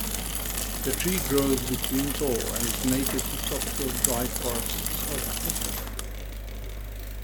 The tree grows between tall and is native to tropical dry forests of Africa.